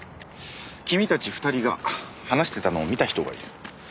君たち２人が話してたのを見た人がいる。